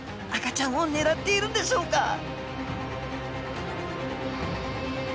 赤ちゃんを狙っているんでしょうか？